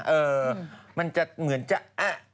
เออมันจะเหมือนจะอะ